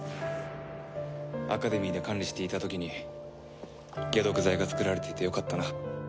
アカデミーで管理していた時に解毒剤が作られていてよかったな。